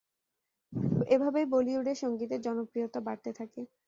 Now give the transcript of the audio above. এভাবেই বলিউডের সঙ্গীতের জনপ্রিয়তা বাড়তে থাকে।